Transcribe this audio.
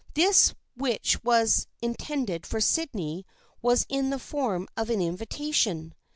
This which was intended for Sydney was in the form of an invitation.